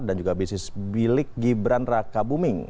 dan juga bisnis milik gibran raka buming